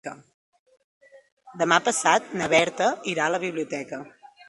Demà passat na Berta irà a la biblioteca.